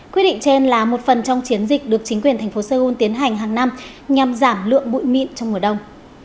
quyết định trên là một phần trong chiến dịch được chính quyền thành phố seoul tiến hành hàng năm nhằm giảm lượng bụi mịn trong mùa đông